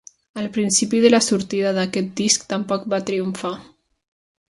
Al principi de la sortida d'aquest disc tampoc va triomfar.